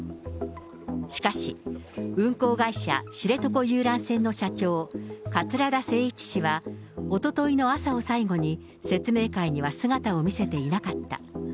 しかし、運航会社、知床遊覧船の社長、桂田精一氏は、おとといの朝を最後に、説明会には姿を見せていなかった。